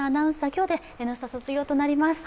今日で「Ｎスタ」卒業となります。